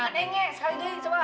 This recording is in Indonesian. nengek sekali lagi semua